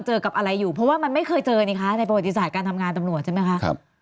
เจอกับอะไรอยู่เพราะว่ามันไม่เคยเจอถัดการทำงานตำรวจใช่ไหมครับ